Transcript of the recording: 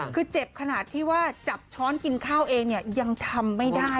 คือเจ็บขนาดที่ว่าจับช้อนกินข้าวเองเนี่ยยังทำไม่ได้